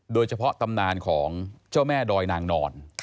ตำนานของเจ้าแม่ดอยนางนอน